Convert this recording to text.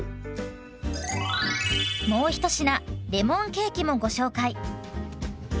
もう一品レモンケーキもご紹介。